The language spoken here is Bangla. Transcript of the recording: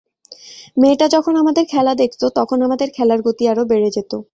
মেয়েটা যখন আমাদের খেলা দেখত, তখন আমাদের খেলার গতি আরও বেড়ে যেত।